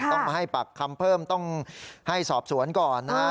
ต้องมาให้ปากคำเพิ่มต้องให้สอบสวนก่อนนะฮะ